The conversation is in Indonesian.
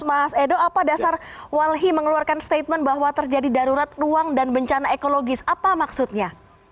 mas edo apa dasar walhi mengeluarkan statement bahwa terjadi darurat ruang dan bencana ekologis apa maksudnya